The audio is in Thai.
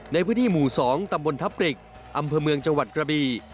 ในพื้นที่หมู่๒ตำบลทับกริกอำเภอเมืองจังหวัดกระบี